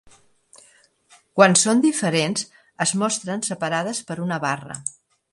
Quan són diferents, es mostren separades per una barra.